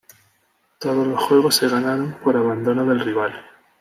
Todos los juegos se ganaron por abandono del rival.